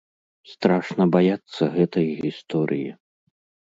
Страшна баяцца гэтай гісторыі.